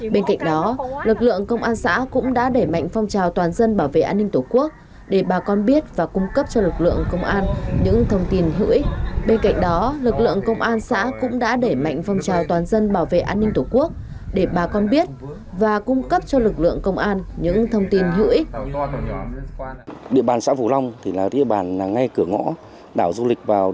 bên cạnh đó lực lượng công an xã cũng đã để mạnh phong trào toàn dân bảo vệ an ninh tổ quốc để bà con biết và cung cấp cho lực lượng công an những thông tin hữu ích